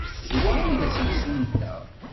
D wa ay d asensu-nteɣ?